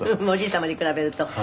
「おじい様に比べると？」